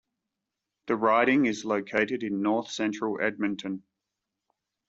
The riding is located in north central Edmonton.